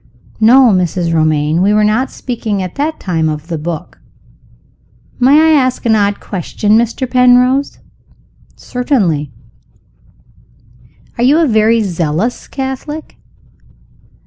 "No, Mrs. Romayne; we were not speaking at that time of the book." "May I ask an odd question, Mr. Penrose?" "Certainly!" "Are you a very zealous Catholic?"